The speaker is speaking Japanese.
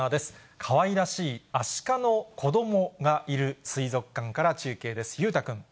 かわいらしいアシカの子どもがいる水族館から中継です。